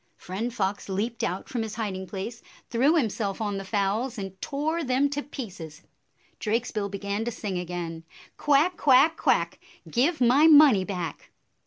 " Friend Fox leaped out from his hiding place, threw himself on the fowls, and tore them to pieces. Drakesbill began to sing again, " Quack, quack, quack ! Give my money back."